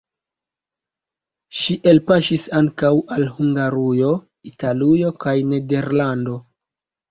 Ŝi elpaŝis ankaŭ al Hungarujo, Italujo kaj Nederlando.